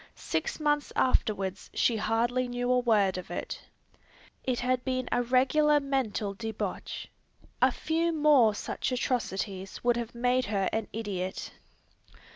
Six months afterwards she hardly knew a word of it. It had been a regular mental debauch. A few more such atrocities would have made her an idiot.